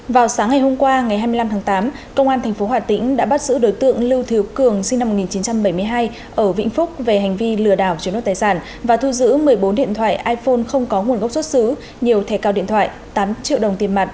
vào sáng ngày hôm qua ngày hai mươi năm tháng tám công an tp hà tĩnh đã bắt giữ đối tượng lưu thiếu cường sinh năm một nghìn chín trăm bảy mươi hai ở vĩnh phúc về hành vi lừa đảo chiếm đoạt tài sản và thu giữ một mươi bốn điện thoại iphone không có nguồn gốc xuất xứ nhiều thẻ cao điện thoại tám triệu đồng tiền mặt